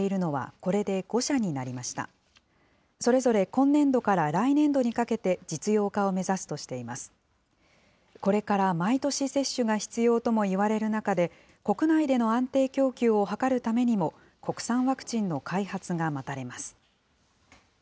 これから毎年接種が必要ともいわれる中で、国内での安定供給を図るためにも国産ワクチンの開発が待たれます。